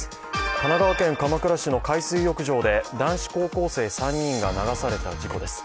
神奈川県鎌倉市の海水浴場で男子高校生３人が流された事故です。